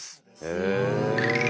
へえ。